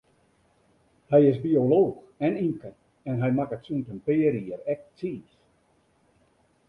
Hy is biolooch en ymker, en hy makket sûnt in pear jier ek tsiis.